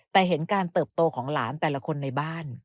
แต่เห็นการเติบโตของหลานแต่ละคนในบ้าน